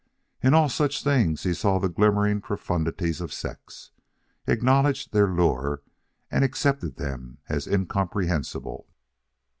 In all such things he saw the glimmering profundities of sex, acknowledged their lure, and accepted them as incomprehensible.